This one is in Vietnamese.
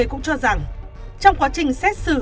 cũng cho rằng trong quá trình xét xử